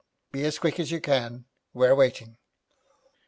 Be as quick as you can; we're waiting.'